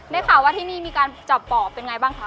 ได้ข่าวว่าที่นี่มีการจับบ่อเป็นไงบ้างคะ